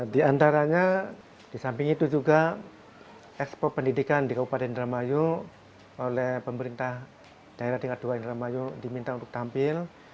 di antaranya di samping itu juga ekspor pendidikan di kabupaten indramayu oleh pemerintah daerah tingkat dua indramayu diminta untuk tampil